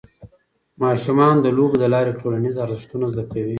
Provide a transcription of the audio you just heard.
ماشومان د لوبو له لارې ټولنیز ارزښتونه زده کوي.